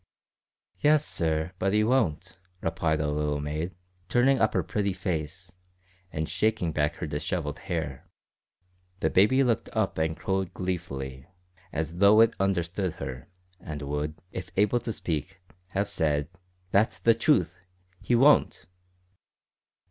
"Yes, sir; but 'e won't," replied the little maid, turning up her pretty face, and shaking back her dishevelled hair. The baby looked up and crowed gleefully, as though it understood her, and would, if able to speak, have said, "That's the exact truth, `he won't!'"